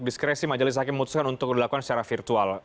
diskresi majelis hakim memutuskan untuk dilakukan secara virtual